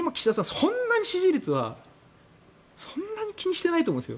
そんなに支持率はそんなに気にしていないと思うんですよ。